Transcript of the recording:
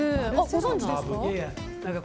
ご存知ですか。